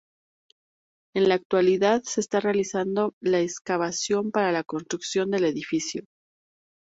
En la actualidad se está realizando la excavación para la construcción del edificio.